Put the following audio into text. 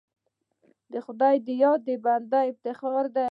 د خدای یاد د بنده افتخار دی.